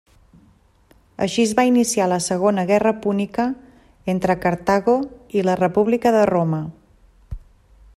Així es va iniciar la Segona Guerra Púnica entre Cartago i la república de Roma.